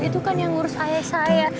itu kan yang ngurus ayah saya